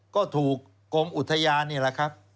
ก็ถูกกรมอุทยานนี่แหละครับ